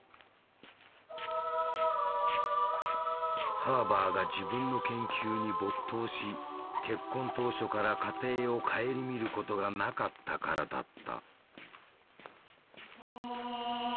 ハーバーが自分の研究に没頭し結婚当初から家庭を顧みることがなかったからだった。